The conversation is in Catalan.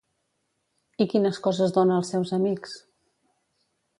I quines coses dona als seus amics?